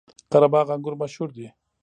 قره باغ انګور مشهور دي؟